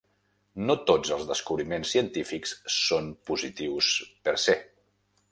No tots els descobriments científics són positius 'per se'.